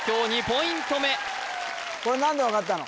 今日これ何で分かったの？